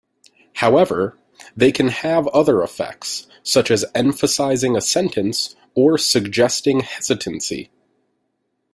However, they can have other effects, such as emphasizing a sentence, or suggesting hesitancy.